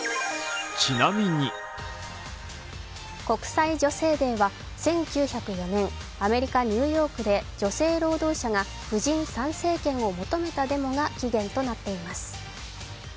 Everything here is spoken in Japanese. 国際女性デーは１９０４年、アメリカ・ニューヨークで女性労働者が婦人参政権を求めたデモが起源となっています。